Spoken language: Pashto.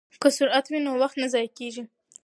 که سرعت وي نو وخت نه ضایع کیږي.